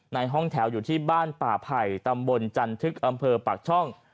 ในห้องแถวอยู่ที่บ้านป่าไผ่ตำบลจันทึกอำเภอปากช่อง